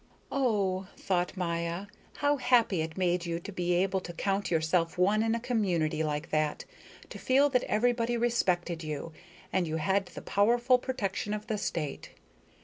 Oh, thought Maya, how happy it made you to be able to count yourself one in a community like that, to feel that everybody respected you, and you had the powerful protection of the state.